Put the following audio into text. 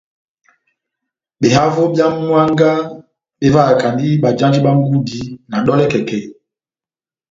Behavo bia mianga bevahakandi bajandi bá ngudi na dolè kèkèi.